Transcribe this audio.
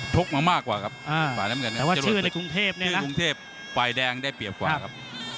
แต่ว่าชื่อในกรุงเทพนะชื่อในกรุงเทพไฟแดงได้เปรียบกว่าครับ